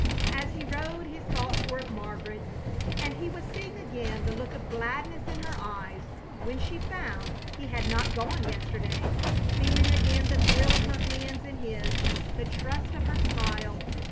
As he rode his thoughts were of Margaret, and he was seeing again the look of gladness in her eyes when she found he had not gone yesterday; feeling again the thrill of her hands in his, the trust of her smile!